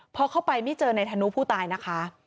พอเข้าไปไม่เจอในธนุผู้ตายนะคะ